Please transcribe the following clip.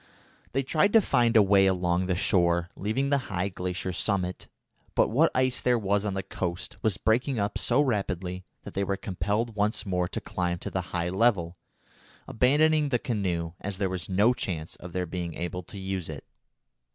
They tried to find a way along the shore, leaving the high glacier summit, but what ice there was on the coast was breaking up so rapidly that they were compelled once more to climb to the high level, abandoning the canoe, as there was no chance of their being able to use it.